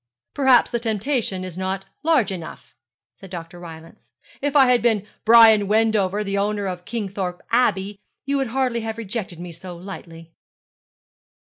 'Perhaps the temptation is not large enough,' said Dr. Rylance. 'If I had been Brian Wendover, and the owner of Kingthorpe Abbey, you would hardly have rejected me so lightly.'